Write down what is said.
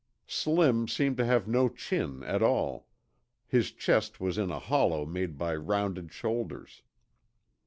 Slim seemed to have no chin at all. His chest was in a hollow made by rounded shoulders.